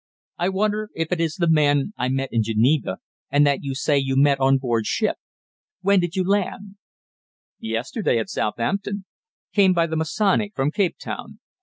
I wonder if it is the man I met in Geneva and that you say you met on board ship. When did you land?" "Yesterday, at Southampton. Came by the Masonic from Capetown."